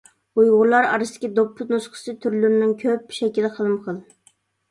ئۇيغۇرلار ئارىسىدىكى دوپپا نۇسخىسى تۈرلىرىنىڭ كۆپ، شەكلى خىلمۇ-خىل.